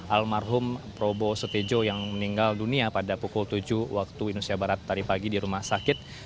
almarhum probo sutejo yang meninggal dunia pada pukul tujuh waktu indonesia barat tadi pagi di rumah sakit